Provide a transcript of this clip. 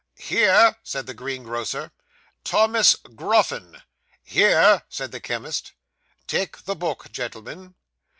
'Here,' said the greengrocer. 'Thomas Groffin.' 'Here,' said the chemist. 'Take the book, gentlemen.